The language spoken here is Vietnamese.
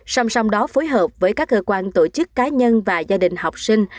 song song đó phối hợp với các cơ quan tổ chức cá nhân và gia đình học sinh